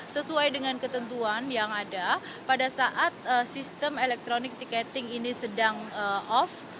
sesuai dengan ketentuan yang ada pada saat sistem elektronik tiketing ini sedang off